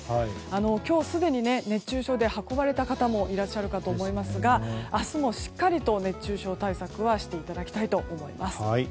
今日すでに熱中症で運ばれた方もいらっしゃるかと思いますが明日もしっかりと熱中症対策はしていただきたいと思います。